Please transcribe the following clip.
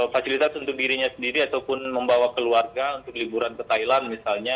fasilitas untuk dirinya sendiri ataupun membawa keluarga untuk liburan ke thailand misalnya